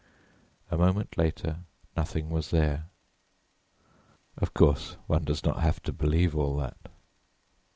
A moment later nothing was there. Of course one does not have to believe all that.